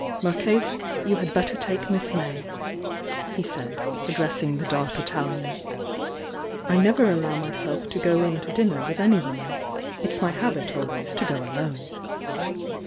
"Marchese, you had better take Miss May," he said, addressing the dark Italian. "I never allow myself to go in to dinner with any woman— it's my habit always to go alone."